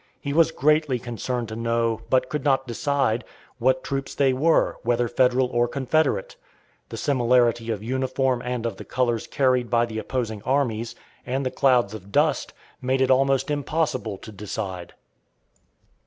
He was greatly concerned to know, but could not decide, what troops they were, whether Federal or Confederate. The similarity of uniform and of the colors carried by the opposing armies, and the clouds of dust, made it almost impossible to decide.